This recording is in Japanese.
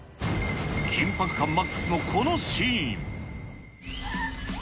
緊迫感マックスのこのシーン。